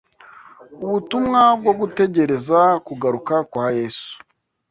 ubutumwa bwo gutegereza kugaruka kwa Yesu